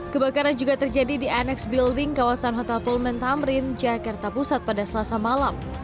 kebakaran juga terjadi di annex building kawasan hotel pullman tamrin jakarta pusat pada selasa malam